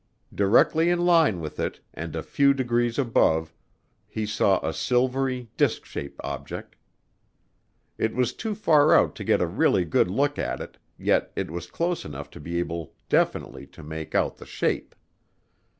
Directly in line with it, and a few degrees above, he saw a silvery, disk shaped object. It was too far out to get a really good look at it, yet it was close enough to be able definitely to make out the shape.